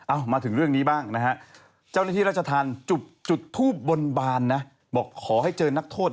มาถึงเรื่องนี้บ้างนะฮะเจ้าหน้าที่ราชธรรมจุดทูบบนบานนะบอกขอให้เจอนักโทษ